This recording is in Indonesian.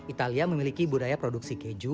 italia memiliki budaya produksi keju